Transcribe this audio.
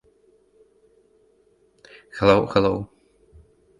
It is swathed in bark cloths and restored to its usual place.